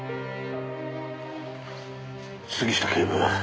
杉下警部。